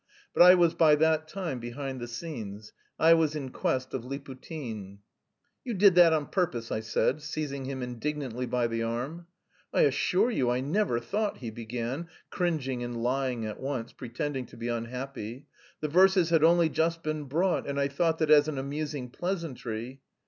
But I was by that time behind the scenes. I was in quest of Liputin. "You did that on purpose!" I said, seizing him indignantly by the arm. "I assure you I never thought..." he began, cringing and lying at once, pretending to be unhappy. "The verses had only just been brought and I thought that as an amusing pleasantry...."